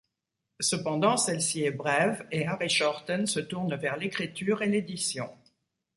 Cependant celle-ci est brève et Harry Shorten se tourne vers l'écriture et l'édition.